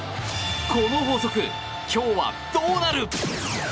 この法則、今日はどうなる？